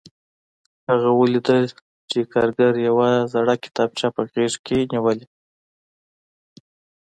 هغه ولیدل چې کارګر یوه زړه کتابچه په غېږ کې نیولې